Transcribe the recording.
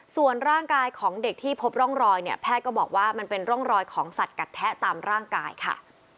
ส่วนร่างกายของเด็กที่พบร่องรอยเนี่ยแพทย์ก็บอกว่ามันเป็นร่องรอยของสัตว์กัดแทะตามร่างกายค่ะ